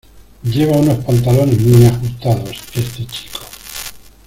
Lleva unos pantalones muy ajustados, este chico.